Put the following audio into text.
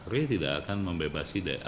ri tidak akan membebasi